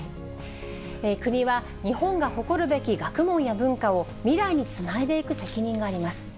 国は日本が誇るべき学問や文化を未来につないでいく責任があります。